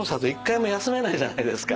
１回も休めないじゃないですか。